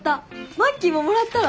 マッキーももらったら？